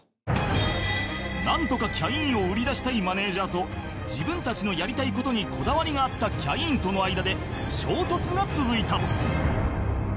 なんとかキャインを売り出したいマネジャーと自分たちのやりたい事にこだわりがあったキャインとの間で衝突が続いた